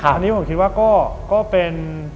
อันนี้ผมคิดว่าก็เป็น